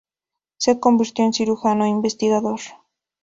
Se convirtió en cirujano e investigador.